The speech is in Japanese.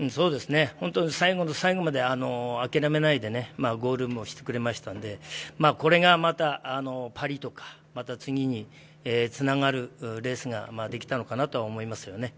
最後の最後まで諦めないでゴールもしてくれましたんでこれがまたパリとかまた次につながるレースができたのかなとは思いますよね。